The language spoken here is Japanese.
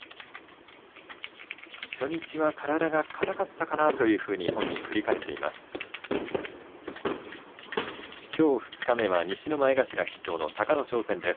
初日は体が硬かったかなと本人は振り返っています。